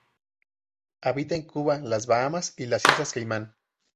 Habita en Cuba, las Bahamas y las Islas Caimán.